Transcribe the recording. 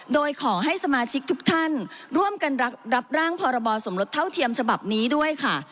โดยขอให้สมาชิกทุกท่านร่วมกันรับร่างพรบสมรสเท่าเทียมฉบับนี้ด้วยค่ะ